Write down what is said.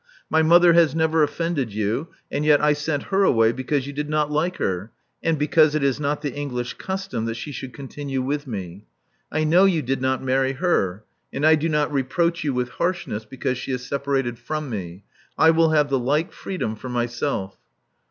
My mother has never offended you; and yet I sent her away because you did not like her, and because it is not the English custom that she [should continue with me. I know you did not marry her; and I do not reproach you with harshness because she is separated from me. I will have the like freedom for myself."